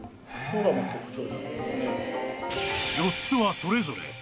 ［４つはそれぞれ］